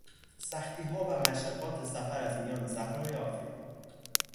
سختیها و مشقات سفر از میان صحرای افریقا